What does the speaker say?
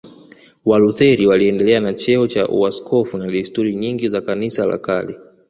Walutheri waliendelea na cheo cha uaskofu na desturi nyingi za Kanisa la kale